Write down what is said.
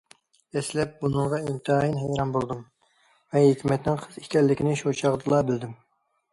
دەسلەپ بۇنىڭغا ئىنتايىن ھەيران بولدۇم ۋە ھېكمەتنىڭ قىز ئىكەنلىكىنى شۇ چاغدىلا بىلدىم.